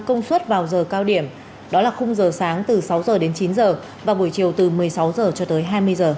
công suất vào giờ cao điểm đó là khung giờ sáng từ sáu giờ đến chín giờ và buổi chiều từ một mươi sáu giờ cho tới hai mươi h